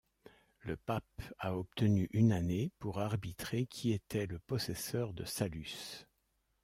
Le Pape a obtenu une année pour arbitrer qui était le possesseur de Saluces.